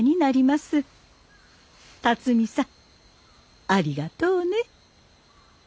龍己さんありがとうね。